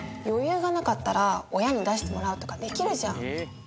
余裕がなかったら親に出してもらうとかできるじゃん。